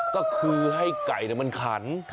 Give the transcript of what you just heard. ก็คือให้ไก่มันขัน